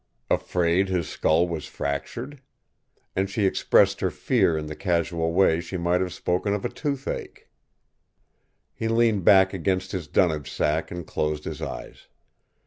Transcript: Afraid his skull was fractured! And she expressed her fear in the casual way she might have spoken of a toothache. He leaned back against his dunnage sack and closed his eyes.